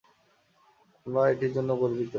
আমরা এটির জন্য গর্বিত।